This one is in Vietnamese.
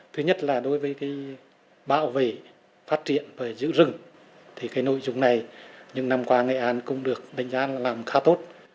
thứ nhất là đối với bảo vệ phát triển và giữ rừng thì cái nội dung này những năm qua nghệ an cũng được đánh giá làm khá tốt